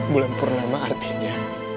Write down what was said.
bulan purnama artinya